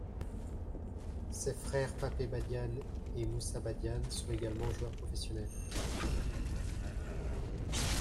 Ses frères Pape Badiane et Moussa Badiane sont également joueurs professionnels.